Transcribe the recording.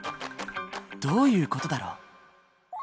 どういう事だろう？